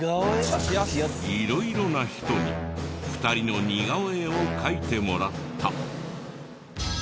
色々な人に２人の似顔絵を描いてもらった。